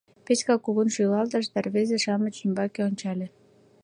Петька кугун шӱлалтыш да рвезе-шамыч ӱмбаке ончале.